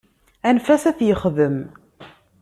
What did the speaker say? Anef-as ad t-yexdem.